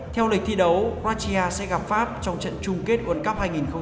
theo lịch thi đấu quartia sẽ gặp pháp trong trận trung kết world cup hai nghìn một mươi tám